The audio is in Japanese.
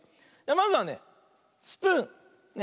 まずはね「スプーン」。ね。